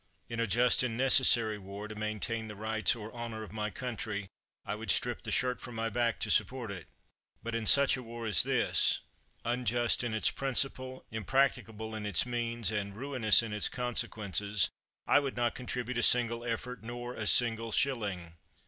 In a just and necessary war, to maintain the rights or honor of my country, I would strip the shirt 222 C HA T H A M from ray back to support it. But in such a war as this, unjust in its principle, impracticable in its means, and ruinous in its consequences, I would not contribute a single effort nor a single shilling.